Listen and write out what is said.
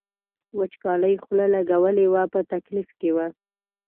وچکالۍ خوله لګولې وه په تکلیف کې و.